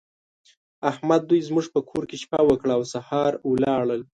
احمد دوی زموږ په کور کې شپه وکړه او سهار ولاړل.